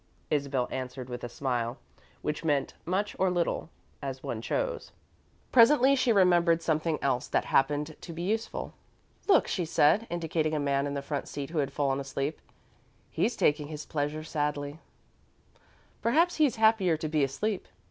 Isabel answered with a smile, which meant much or little, as one chose. Presently she remembered something else that happened to be useful. "Look," she said, indicating a man in the front seat who had fallen asleep. "He's taking his pleasure sadly." "Perhaps he's happier to be asleep.